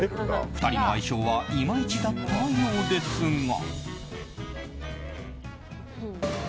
２人の相性はいまいちだったようですが。